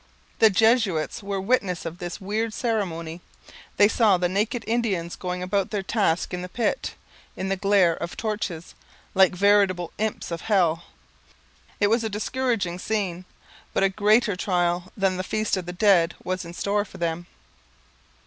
The Jesuits were witnesses of this weird ceremony. They saw the naked Indians going about their task in the pit in the glare of torches, like veritable imps of hell. It was a discouraging scene. But a greater trial than the Feast of the Dead was in store for them.